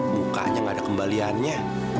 mukanya gak ada kembaliannya